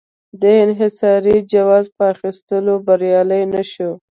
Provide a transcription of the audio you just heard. د انحصاري جواز په اخیستو بریالی نه شو.